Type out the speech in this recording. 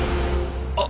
あっ！